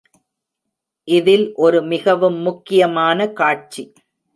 இதில் ஒரு மிகவும் முக்கியமான காட்சி.